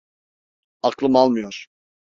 Aklım almıyor.